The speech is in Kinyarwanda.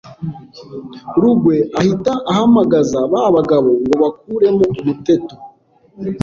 rugwe ahita ahamagaza ba bagabo ngo bakuremo umuteto